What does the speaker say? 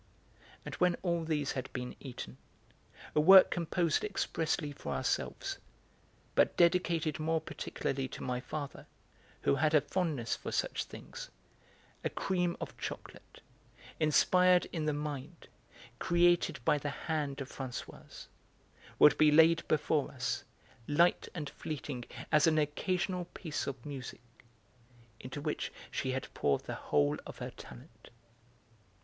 And when all these had been eaten, a work composed expressly for ourselves, but dedicated more particularly to my father, who had a fondness for such things, a cream of chocolate, inspired in the mind, created by the hand of Françoise, would be laid before us, light and fleeting as an 'occasional piece' of music, into which she had poured the whole of her talent.